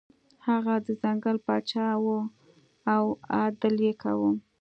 هغه د ځنګل پاچا و او عدل یې کاوه.